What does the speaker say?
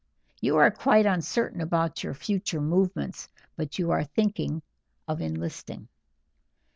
You are quite uncertain about your future movements, but you are thinking of enlisting."